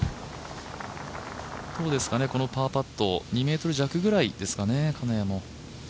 このパーパット、２ｍ弱ぐらいですかね、金谷も。